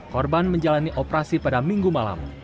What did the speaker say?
korban menjalani operasi pada minggu malam